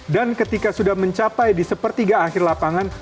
dan ketika sudah mencapai di sepertiga akhir lapangan